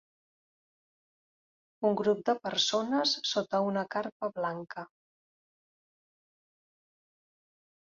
un grup de persones sota una carpa blanca.